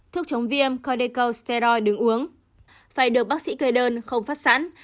thuốc chống viêm corticosteroid đứng uống phải được bác sĩ kê đơn không phát sẵn